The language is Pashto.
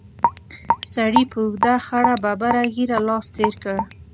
سړي په اوږده خړه ببره ږېره لاس تېر کړ.